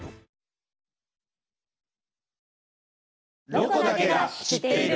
「ロコだけが知っている」。